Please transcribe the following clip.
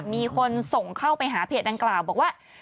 มีคนส่งเข้าไปหาเพจดังกล่าวบอกว่า